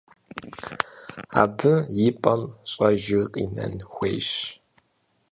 Абы и пӀэм щӀэжыр къинэн хуейщ.